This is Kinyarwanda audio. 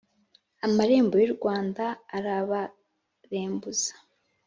Amarembo y'u Rwanda arabarembuza